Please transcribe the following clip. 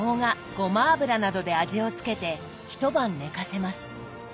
ごま油などで味を付けて一晩寝かせます。